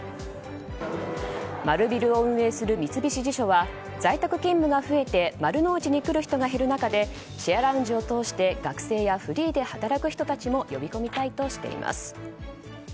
丸ビルを運営する三菱地所は在宅勤務が増えて丸の内に来る人が減る中でシェアラウンジを通して学生やフリーで働く人たちも呼び込みたいとしています。